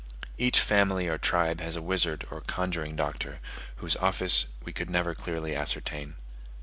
Each family or tribe has a wizard or conjuring doctor, whose office we could never clearly ascertain.